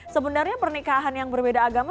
sebenarnya pernikahan yang berbeda agama